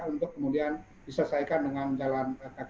untuk kemudian diselesaikan dengan jalan kaki